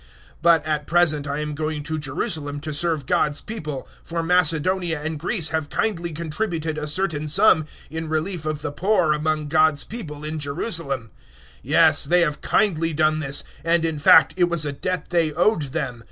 015:025 But at present I am going to Jerusalem to serve God's people, 015:026 for Macedonia and Greece have kindly contributed a certain sum in relief of the poor among God's people, in Jerusalem. 015:027 Yes, they have kindly done this, and, in fact, it was a debt they owed them.